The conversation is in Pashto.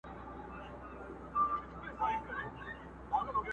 د اورنګ د زړه په وینو رنګ غزل د خوشحال خان کې؛